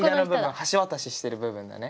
橋渡ししてる部分だね。